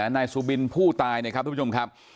นายสุบินผู้ตายนะครับทุกผู้ชมครับ